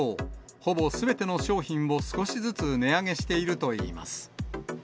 ほぼすべての商品を少しずつ値上げしているといいます。